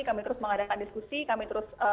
kami terus mengadakan diskusi kami terus